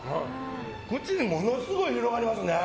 口にものすごい広がりますね。